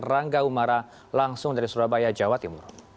rangga umara langsung dari surabaya jawa timur